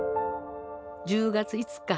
１０月５日